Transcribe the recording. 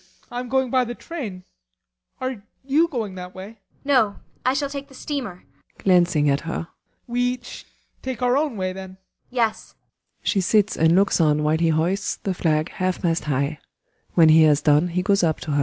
I am going by the train. Are you going that way? ASTA. No. I shall take the steamer. BORGHEIM. [Glancing at her.] We each take our own way, then? ASTA. Yes. [She sits and looks on while he hoists the flag half mast high. When he has done he goes up to her.